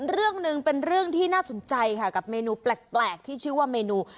เรื่องหนึ่งเป็นเรื่องที่น่าสนใจค่ะกับเมนูแปลกที่ชื่อว่าเมนู